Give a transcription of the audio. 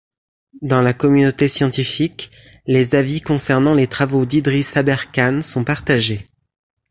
Dans la communauté scientifique, les avis concernant les travaux d'Idriss Aberkane sont partagés.